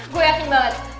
gue yakin banget